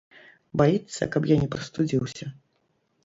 Баіцца, каб я не прастудзіўся.